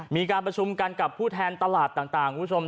มีการประชุมกันกับผู้แทนตลาดต่างคุณผู้ชม